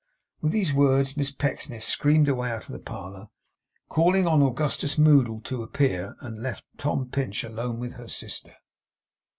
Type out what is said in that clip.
With these words Miss Pecksniff screamed her way out of the parlour, calling on Augustus Moddle to appear; and left Tom Pinch alone with her sister.